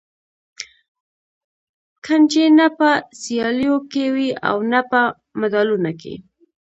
کنجي نه په سیالیو کې وي او نه په مډالونه کې.